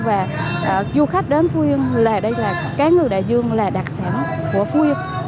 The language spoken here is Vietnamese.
và du khách đến phú yên là đây là cá ngừ đại dương là đặc sản của phú yên